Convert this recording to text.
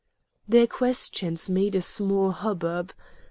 Their questions made a small hubbub.